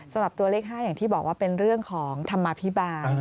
สำหรับตัวเลข๕อย่างที่บอกว่าเป็นเรื่องของธรรมภิบาล